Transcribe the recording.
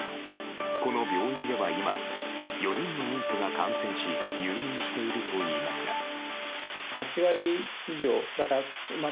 この病院では今、４人の妊婦が感染し入院しているといいますが。